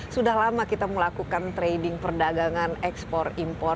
sudah lama kita melakukan trading perdagangan ekspor impor